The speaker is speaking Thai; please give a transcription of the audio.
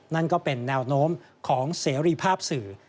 นั่นก็เป็นแนวโน้มของเสรีภาพสื่อ